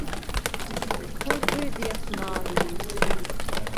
ქორ ჯვე̄დიას მა̄რ.